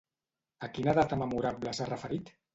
A quina data memorable s'ha referit?